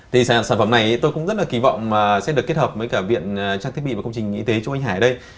thì sản phẩm này tôi cũng rất là kỳ vọng sẽ được kết hợp với cả viện trang thiết bị và công trình y tế trung anh hải đây